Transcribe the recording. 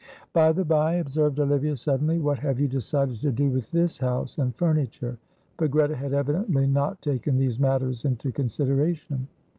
"By the bye," observed Olivia, suddenly, "what have you decided to do with this house and furniture?" but Greta had evidently not taken these matters into consideration.